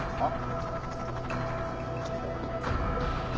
あっ。